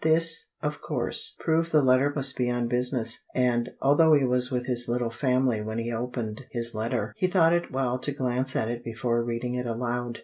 This, of course, proved the letter must be on business; and, although he was with his little family when he opened his letter, he thought it well to glance at it before reading it aloud.